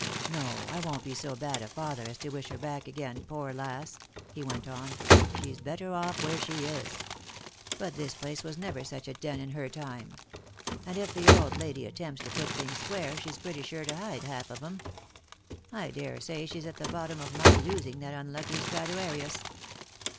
" No, I won't be so bad a father as to wish her back again, poor lass !" he went on ;" she's better off where she is. But this place was never such a den in her time. And if the old lady attempts to put things square she's pretty sure to hide half of 'em. I daresay she's at the bottom of my losing that unlucky Straduarius."